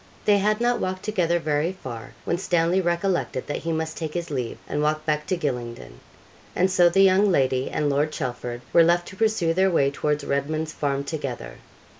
They had not walked together very far, when Stanley recollected that he must take his leave, and walk back to Gylingden; and so the young lady and Lord Chelford were left to pursue their way towards Redman's Farm together.